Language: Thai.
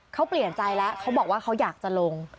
เขาเปลี่ยนใจแล้วเขาบอกว่าเขาอยากจะลง